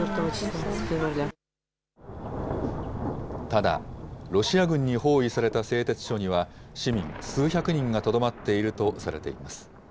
ただ、ロシア軍に包囲された製鉄所には、市民数百人がとどまっているとされています。